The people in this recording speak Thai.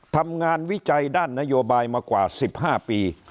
วิจัยด้านนโยบายมากว่า๑๕ปี